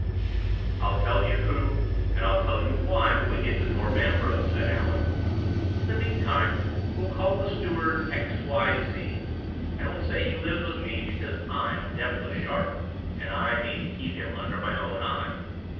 "I'll tell you who, and I'll tell you why, when we get to Thorpe Ambrose," said Allan. "In the meantime we'll call the steward X. Y. Z., and we'll say he lives with me, because I'm devilish sharp, and I mean to keep him under my own eye.